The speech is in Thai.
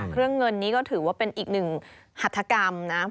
เครื่องเงินนี้ก็ถือว่าเป็นอีกหนึ่งหัฐกรรมนะ